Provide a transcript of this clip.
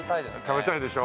食べたいでしょ？